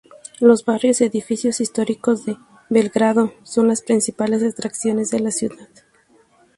Los barrios y edificios históricos de Belgrado son las principales atracciones de la ciudad.